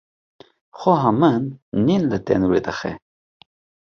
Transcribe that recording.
Xweha min nên li tenûrê dixe.